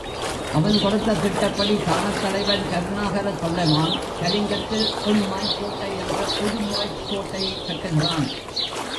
அவன் கொடுத்த திட்டப்படி, தானத்தலைவன் கருணாகரத் தொண்டைமான் கலிங்கத்தில் எண்மாய்க் கோட்டை என்ற புது முறைக் கோட்டையைக் கட்டுகிறான்.